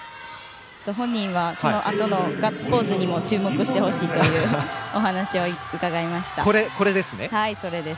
本人は、そのあとのガッツポーズにも注目してほしいというお話を伺いました。